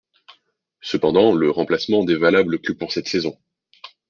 Cependant, le remplacement n'est valable que pour cette saison.